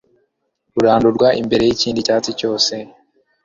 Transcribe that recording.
rurandurwa mbere y'ikindi cyatsi cyose